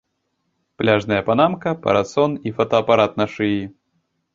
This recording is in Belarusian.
Пляжная панамка, парасон і фотаапарат на шыі.